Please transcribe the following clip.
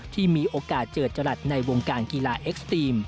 ที่มีโอกาสเจอจรัสในวงการกีฬาเอ็กซ์ทีม